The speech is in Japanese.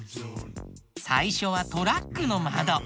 さいしょはトラックのまど。